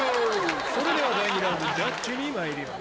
それでは第２ラウンド、ジャッジにまいります。